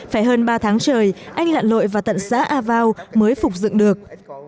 phải hơn ba tháng trời anh lặn lội và tận xã a vao mới phục dựng được